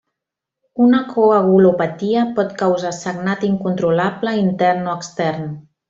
Una coagulopatia pot causar sagnat incontrolable intern o extern.